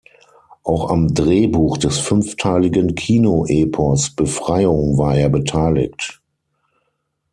Auch am Drehbuch des fünfteiligen Kino-Epos Befreiung war er beteiligt.